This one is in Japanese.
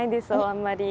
あんまり。